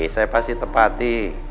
saya pasti tepati